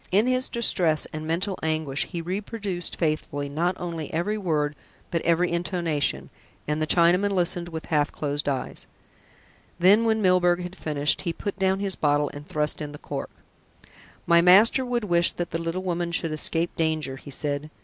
In his distress and mental anguish he reproduced faithfully not only every word, but every intonation, and the Chinaman listened with half closed eyes. Then, when Milburgh had finished, he put down his bottle and thrust in the cork. "My master would wish that the little woman should escape danger," he said.